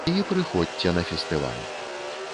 І прыходзьце на фестываль!